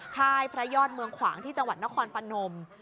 ค่ายพระยอดเมืองขวางที่จังหวัดนครพนม